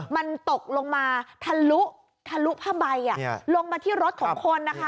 มันตกลงมาทะลุทะลุผ้าใบลงมาที่รถของคนนะคะ